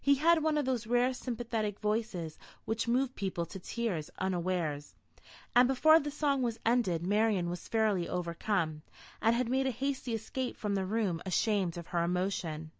He had one of those rare sympathetic voices which move people to tears unawares, and before the song was ended Marian was fairly overcome, and had made a hasty escape from the room ashamed of her emotion.